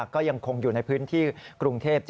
ก็ยังคงอยู่ในพื้นที่กรุงเทพ